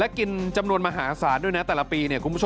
และกินจำนวนมาศานหน่อยแต่ละปี